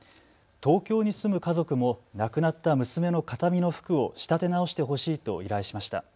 東京に住む家族も亡くなった娘の形見の服を仕立て直してほしいと依頼しました。